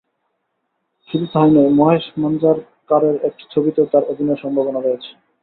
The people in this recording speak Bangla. শুধু তাই নয়, মহেশ মাঞ্জারকারের একটি ছবিতেও তাঁর অভিনয়ের সম্ভাবনা রয়েছে।